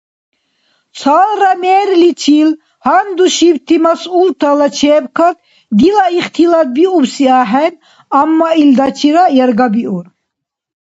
Цалра мэрличил гьандушибти масъултала чебкад дила ихтилат биубси ахӏен, амма илдачира яргабиур.